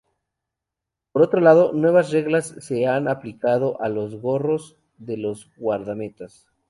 Por otro lado, nuevas reglas se han aplicado a los gorros de los guardametas.